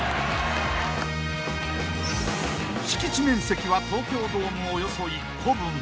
［敷地面積は東京ドームおよそ１個分］